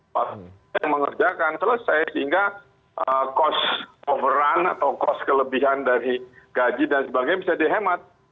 partai yang mengerjakan selesai sehingga cost overrun atau cost kelebihan dari gaji dan sebagainya bisa dihemat